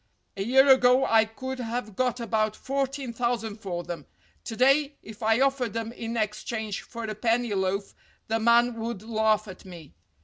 A year ago I could have got about fourteen thousand for them; to day if I offered them in exchange for a penny loaf the man would laugh at me.